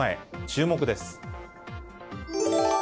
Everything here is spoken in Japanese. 注目です。